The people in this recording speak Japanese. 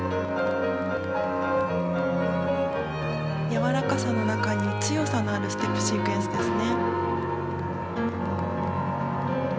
やわらかさの中に強さのあるステップシークエンスでした。